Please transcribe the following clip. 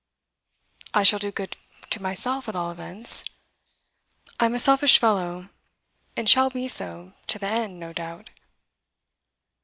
'I shall do good to myself, at all events. I'm a selfish fellow, and shall be so to the end, no doubt.